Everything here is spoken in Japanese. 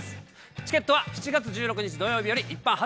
チケットは７月１６日土曜日より一般発売です。